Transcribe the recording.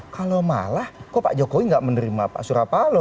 kalau malah kok pak jokowi nggak menerima pak surya palo